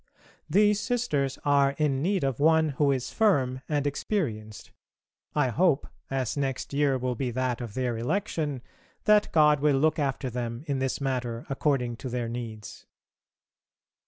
These Sisters are in need of one who is firm and experienced. I hope, as next year will be that of their election, that God will look after them in this matter according to their needs.